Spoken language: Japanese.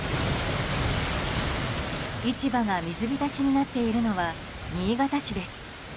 市場が水浸しになっているのは新潟市です。